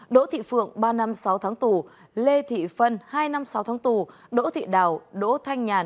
đỗ thị phượng ba năm sáu tháng tù lê thị phân hai năm sáu tháng tù đỗ thị đào đỗ thanh nhàn